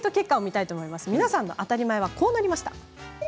皆さんの結果はこうなりました。